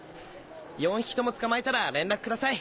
４匹とも捕まえたら連絡ください。